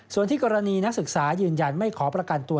ส่วนที่กรณีนักศึกษายืนยันไม่ขอประกันตัว